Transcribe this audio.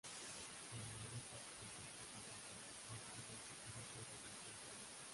Si en Europa su concepto confundía, en Chile su público resintió el cambio.